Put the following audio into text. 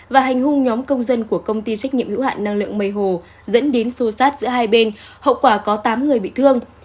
và hành hung nhóm công dân của công ty trách nhiệm hữu hạn năng lượng mây hồ dẫn đến xô xát giữa hai bên hậu quả có tám người bị thương